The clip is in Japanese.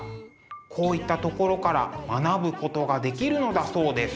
こういったところから学ぶことができるのだそうです。